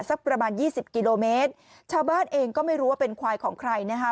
สักประมาณยี่สิบกิโลเมตรชาวบ้านเองก็ไม่รู้ว่าเป็นควายของใครนะคะ